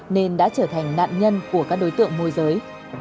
nên đã trở thành nạn nhân của các đối tượng môi giới